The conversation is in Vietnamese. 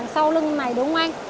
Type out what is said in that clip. sau lưng này đúng không anh